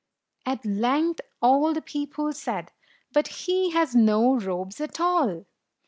At length all the people said, "But he has no robe at all